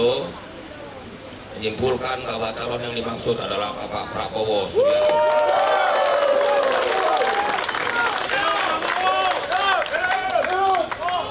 untuk menyimpulkan bahwa calon yang dimaksud adalah bapak prabowo subianto